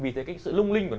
vì thế cái sự lung linh của nó